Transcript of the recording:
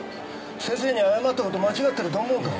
先生に謝った事間違ってると思うか？